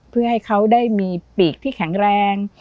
เพื่อให้เขาได้มีปีกที่แข็งแรง